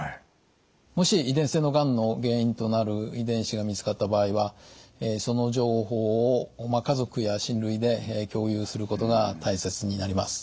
もし遺伝性のがんの原因となる遺伝子が見つかった場合はその情報を家族や親類で共有することが大切になります。